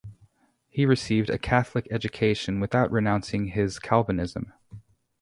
He received a Catholic education without renouncing his Calvinism.